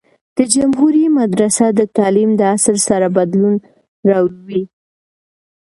د جمهوری مدرسه د تعلیم د اصل سره بدلون راووي.